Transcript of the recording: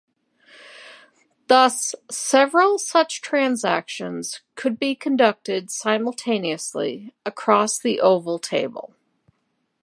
Thus several such transactions could be conducted simultaneously, across the oval table.